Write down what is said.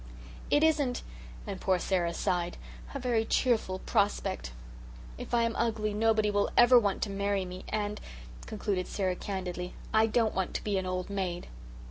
It isn't" and poor Sara sighed "a very cheerful prospect. If I am ugly nobody will ever want to marry me, and," concluded Sara candidly, "I don't want to be an old maid."